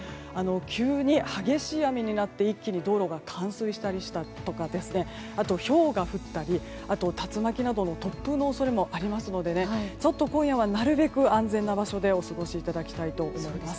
急に激しい雨になって一気に道路が冠水するとかあと、ひょうが降ったり竜巻などの突風の恐れもありますのでちょっと今夜はなるべく安全な場所でお過ごしいただきたいと思います。